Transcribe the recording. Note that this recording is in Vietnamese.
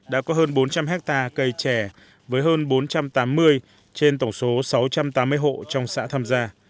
đã có hơn bốn trăm linh hectare cây trẻ với hơn bốn trăm tám mươi trên tổng số sáu trăm tám mươi hộ trong xã tham gia